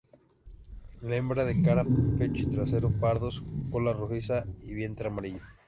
La hembra de cara, pecho y trasero pardos, cola rojiza y vientre amarillo.